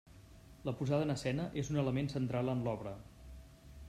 La posada en escena és un element central en l’obra.